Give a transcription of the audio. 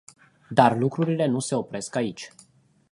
Dar lucrurile nu se opresc aici.